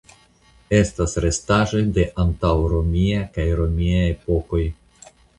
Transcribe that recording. Estas restaĵoj de antaŭromia kaj romia epokoj.